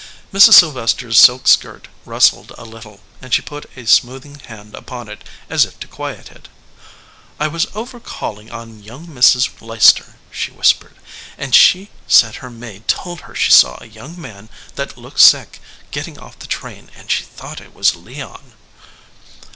Mrs. Sylvester s silk skirt rustled a little, and she put a smoothing hand upon it as if to quiet it. "I was over calling on young Mrs. Leicester," she whispered, "and she said her maid told her she saw a young man that looked sick getting off the train, and she thought it was Leon."